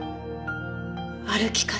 歩き方。